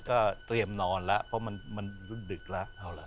ก็เตรียมนอนแล้วเพราะมันรุ่นดึกแล้ว